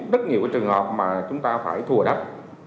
rất nhiều trường hợp mà chúng ta phải thu hồi đất